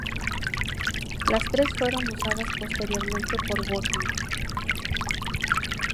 Las tres fueron usadas posteriormente por Wagner.